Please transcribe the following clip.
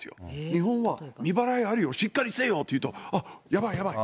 日本は未払いあるよ、しっかりせえよっていうと、あっ、やばい、やばい。